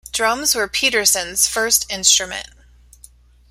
Drums were Peterson's first instrument.